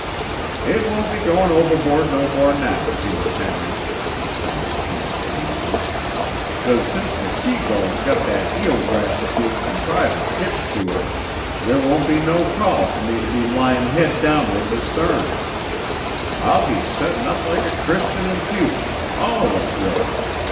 "It won't be goin' overboard no more now, Zenas Henry," responded he serenely, "'cause since the Sea Gull's got that eel grass proof contrivance hitched to her, there won't be no call for me to be lyin' head down'ards astern. I'll be settin' up like a Christian in future all of us will.